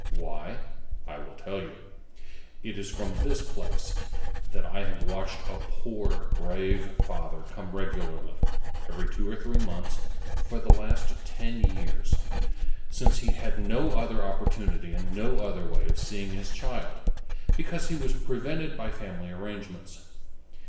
Why? I will tell you. It is from this place, that I have watched a poor, brave father come regularly, every two or three months, for the last ten years, since he had no other opportunity and no other way of seeing his child, because he was prevented by family arrangements.